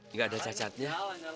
nggak ada cacatnya